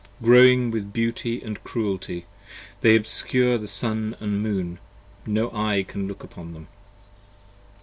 Glowing with beauty & cruelty, They obscure the sun & the moon: no eye can look upon them.